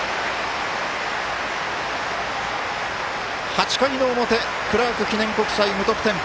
８回の表クラーク記念国際無得点。